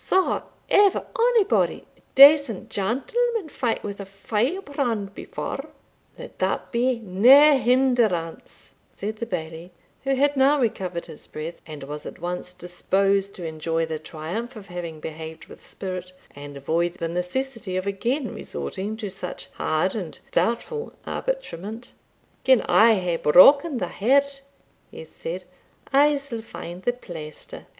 Saw ever onybody a decent gentleman fight wi' a firebrand before?" "Let that be nae hinderance," said the Bailie, who had now recovered his breath, and was at once disposed to enjoy the triumph of having behaved with spirit, and avoid the necessity of again resorting to such hard and doubtful arbitrament "Gin I hae broken the head," he said, "I sall find the plaister.